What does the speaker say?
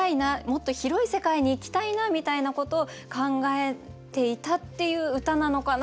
もっと広い世界に行きたいなみたいなことを考えていたっていう歌なのかなというふうに感じました。